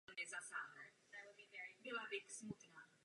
Jsme rovněž připraveni zodpovědět další otázky a diskutovat o sankcích.